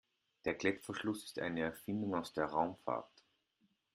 Der Klettverschluss ist eine Erfindung aus der Raumfahrt.